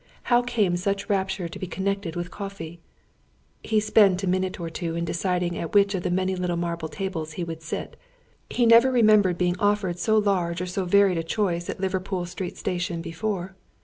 How came such rapture to be connected with coffee? He spent a minute or two in deciding at which of the many little marble tables he would sit. He never remembered being offered so large or so varied a choice at Liverpool Street Station before.